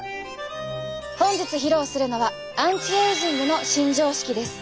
本日披露するのはアンチエイジングの新常識です。